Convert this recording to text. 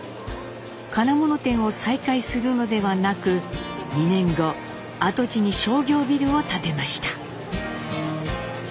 金物店を再開するのではなく２年後跡地に商業ビルを建てました。